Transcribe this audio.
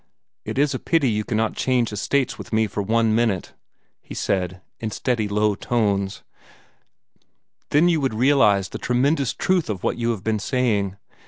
"It is a pity you cannot change estates with me for one minute," he said, in steady, low tone. "Then you would realize the tremendous truth of what you have been saying.